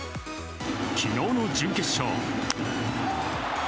昨日の準決勝。